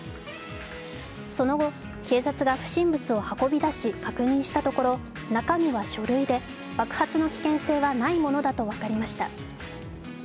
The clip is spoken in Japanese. その後、警察が不審物を運び出し確認したところ中身は書類で、爆発の危険性はないものだと分かりました。